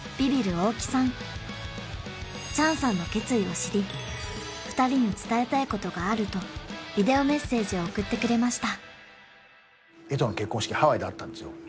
大木さんチャンさんの決意を知り２人に伝えたいことがあるとビデオメッセージを送ってくれました